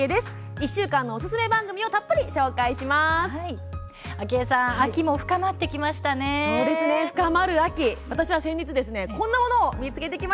１週間のおすすめ番組をたっぷりご紹介します。